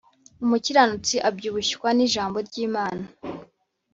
umukiranutsi abyibushywa n’ ijambo ry’imana